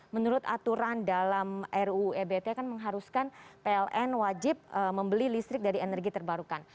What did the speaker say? menurut aturan dalam ruu ebt kan mengharuskan pln wajib membeli listrik dari energi terbarukan